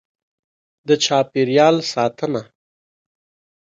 . د چاپېریال ساتنه: